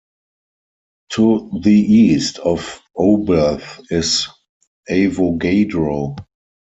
To the east of Oberth is Avogadro.